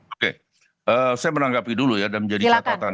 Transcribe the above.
oke saya menanggapi dulu ya dan menjadi catatan